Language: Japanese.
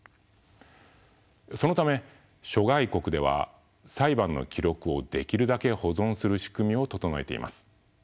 そのため諸外国では裁判の記録をできるだけ保存する仕組みを整えています。